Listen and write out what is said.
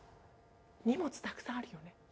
荷物たくさんあるよね。